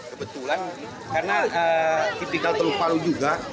kebetulan karena tipikal teluk palu juga